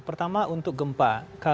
pertama untuk gempa